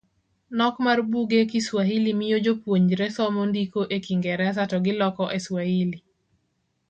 Nok mar buge kiwahili miyo Jopuonjre somo ndiko e kingresa to giloko e Swahili.